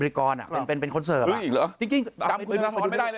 เฮ้ยอีกเหรอจำคุณธนทรไม่ได้เลยเหรอ